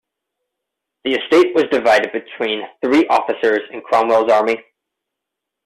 The estate was divided between three officers in Cromwell's army.